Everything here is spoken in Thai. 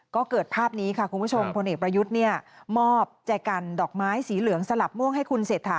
ก็เกิดภาพนี้ค่ะคุณผู้ชมพลเอกประยุทธ์เนี่ยมอบแจกันดอกไม้สีเหลืองสลับม่วงให้คุณเศรษฐา